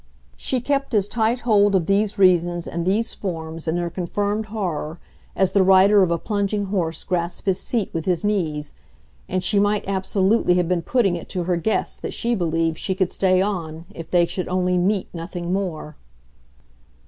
She kept as tight hold of these reasons and these forms, in her confirmed horror, as the rider of a plunging horse grasps his seat with his knees; and she might absolutely have been putting it to her guest that she believed she could stay on if they should only "meet" nothing more.